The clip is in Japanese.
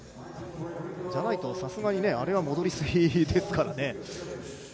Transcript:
じゃないとさすがにあれは、戻りすぎですからね。